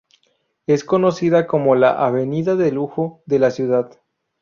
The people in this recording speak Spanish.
Es conocida como la avenida de lujo de la ciudad.